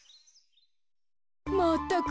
まったく。